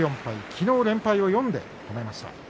昨日、連敗を４で止めました。